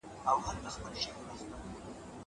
زه بايد لوښي وچوم!